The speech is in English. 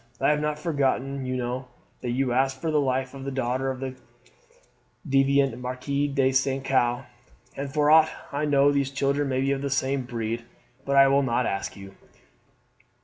I have not forgotten, you know, that you asked for the life of the daughter of the ci devant Marquis de St. Caux; and for aught I know these children may be of the same breed. But I will not ask you.